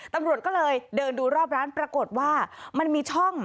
ตำรวจก็เลยเดินดูรอบร้านปรากฏว่ามันมีช่อง